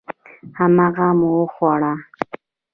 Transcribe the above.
هماغه مو وخوړه.